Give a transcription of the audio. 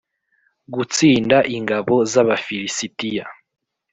gutsinda ingabo z’Abafilisitiya.